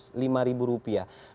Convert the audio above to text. tapi kemudian itu disalahkan